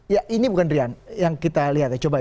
ya ini bukan rian yang kita lihat ya coba ya